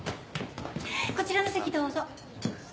こちらの席どうぞ。